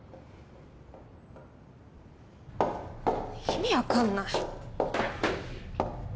意味分かんない。